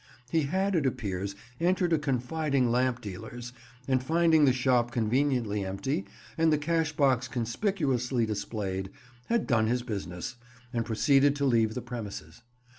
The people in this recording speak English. He had, it appears, entered a confiding lamp dealer's, and finding the shop conveniently empty, and the cashbox conspicuously displayed, had done his business, and proceeded to leave the premises.